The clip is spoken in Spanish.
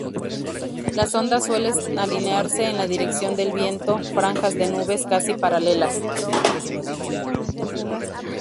Las ondas suelen alinearse en la dirección del viento, franjas de nubes casi paralelas.